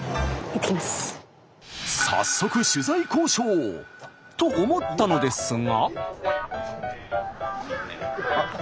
早速取材交渉！と思ったのですが。